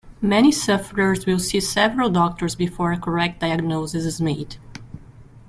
Many sufferers will see several doctors before a correct diagnosis is made.